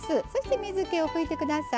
水けを拭いてください。